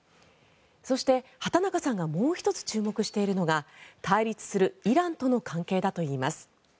そして、畑中さんがもう１つ注目しているのが対立するイランとの関係だといいます。